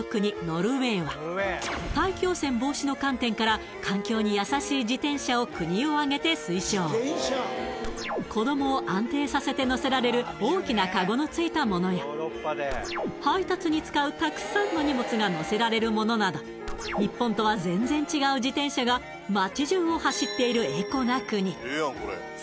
ノルウェーは大気汚染防止の観点から子どもを安定させて乗せられる大きなカゴのついたものや配達に使うたくさんの荷物がのせられるものなど日本とは全然違う自転車が街じゅうを走っているエコな国こちら！